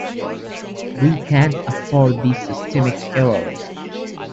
We can't afford these systemic errors.